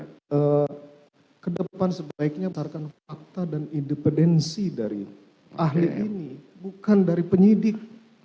karena ke depan sebaiknya memasarkan fakta dan independensi dari ahli ini bukan dari penyidik